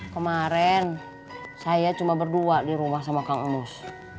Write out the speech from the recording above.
kemarin saya cuma berdua di rumah sama kang emis